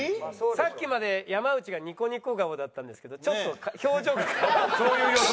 さっきまで山内がニコニコ顔だったんですけどちょっと表情が変わって。